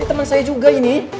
ini temen saya juga ini